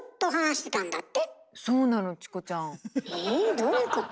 どういうこと？